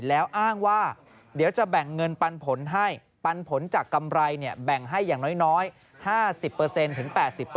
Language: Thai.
แล้วอ้างว่าเดี๋ยวจะแบ่งเงินปันผลให้ปันผลจากกำไรแบ่งให้อย่างน้อย๕๐ถึง๘๐